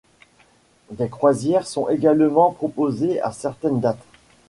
Des croisières sont également proposées à certaines dates.